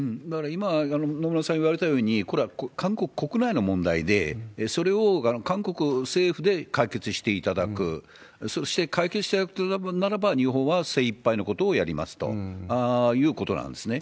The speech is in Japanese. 今、野村さん言われたように、これは韓国国内の問題で、それを韓国政府で解決していただく、解決していただくならば日本は精いっぱいのことをやりますということなんですね。